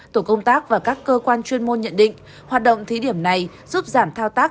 tổ công tác và các cơ quan chuyên môn nhận định hoạt động thí điểm này giúp giảm thao tác